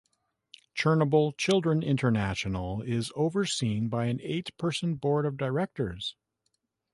Chernobyl Children International is overseen by an eight-person board of directors.